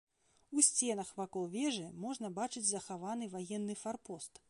У сценах вакол вежы можна бачыць захаваны ваенны фарпост.